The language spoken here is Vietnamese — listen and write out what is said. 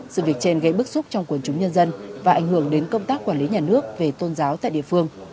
sự việc trên gây bức xúc trong quần chúng nhân dân và ảnh hưởng đến công tác quản lý nhà nước về tôn giáo tại địa phương